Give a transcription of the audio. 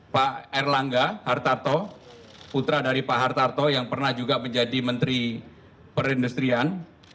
pak erlangga hartarto putra dari pak hartarto yang pernah juga menjadi menteri perindustrian